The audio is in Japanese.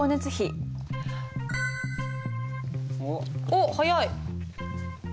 おっ早い。